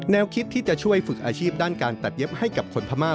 คิดที่จะช่วยฝึกอาชีพด้านการตัดเย็บให้กับคนพม่า